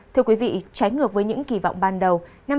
thưa quý vị trái ngược với những kỳ vọng ban đầu